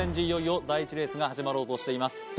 いよいよ第１レースが始まろうとしています